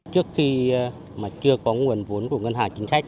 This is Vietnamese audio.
trước khi mà chưa có nguồn vốn của ngân hàng chính sách